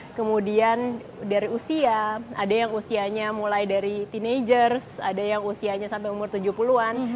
kemudian dari usia ada yang usianya mulai dari teenagers ada yang usianya sampai umur tujuh puluh an